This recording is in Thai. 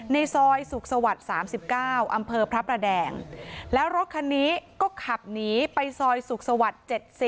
ในซอยศูกษวรรณ์๓๙อำเพอพระแดงแล้วรถคันนี้ก็ขับหนีไปซอยศูกษวรรณ์๗๐